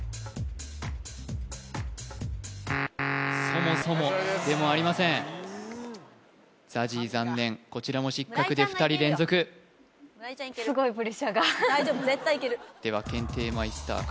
そもそもでもありませんＺＡＺＹ残念こちらも失格で２人連続大丈夫絶対いけるでは検定マイスター